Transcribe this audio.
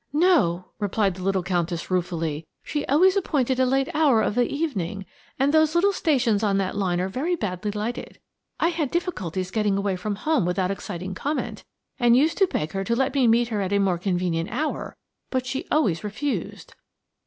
"No," replied the little Countess ruefully. "She always appointed a late hour of the evening, and those little stations on that line are very badly lighted. I had such difficulties getting away from home without exciting comment, and used to beg her to let me meet her at a more convenient hour. But she always refused."